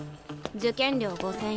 受験料５，０００円。